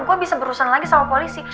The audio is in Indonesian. gue bisa berurusan lagi sama polisi